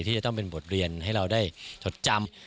ที่จะต้องเป็นบทเรียนให้เราได้จดจำ